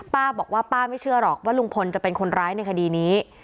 ป้าบอกว่าป้าไม่เชื่อหรอกว่าลุงพลจะเป็นคนร้ายในคดีนี้